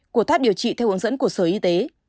của thoát điều trị theo hướng dẫn của sở y tế